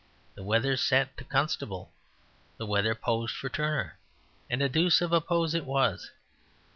The Weather sat to Constable. The Weather posed for Turner, and a deuce of a pose it was.